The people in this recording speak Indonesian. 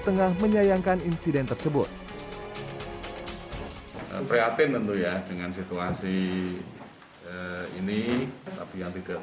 tengah menyayangkan insiden tersebut pria tim tentunya dengan situasi ini tapi yang tidak